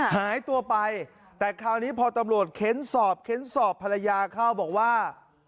หายตัวไปแต่คราวนี้พอตำรวจเค้นสอบเค้นสอบภรรยาเข้าบอกว่า